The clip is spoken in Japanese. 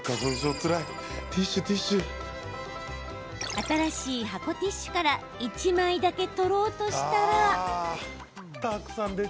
新しい箱ティッシュから１枚だけ取ろうとしたら。